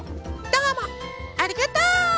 どうもありがとう！